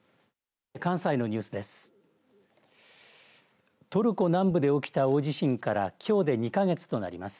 関西のニュースです。